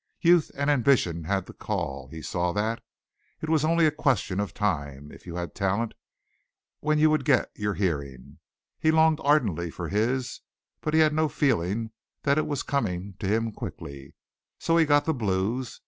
Youth and ambition had the call he saw that. It was only a question of time, if you had talent, when you would get your hearing. He longed ardently for his but he had no feeling that it was coming to him quickly, so he got the blues.